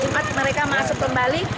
jumat mereka masuk ke bali